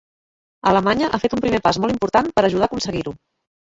Alemanya ha fet un primer pas molt important per a ajudar a aconseguir-ho!